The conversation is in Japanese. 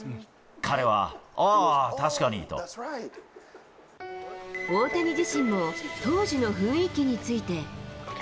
彼は、あー、確かにと。大谷自身も当時の雰囲気について。